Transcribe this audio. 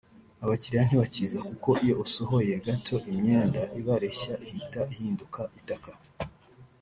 Abakiriya ntibakiza kuko iyo usohoye gato imyenda ibareshya ihita ihinduka itaka